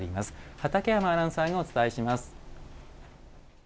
畠山アナウンサーが伝えます。